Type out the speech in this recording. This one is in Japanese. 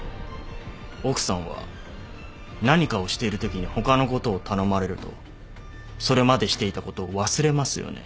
奥さんは何かをしているときに他のことを頼まれるとそれまでしていたことを忘れますよね。